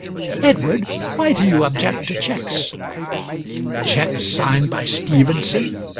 "Edward, why do you object to cheques?" "Cheques signed by Stephenson!